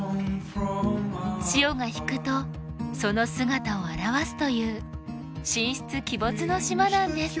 潮が引くとその姿を現すという神出鬼没の島なんです。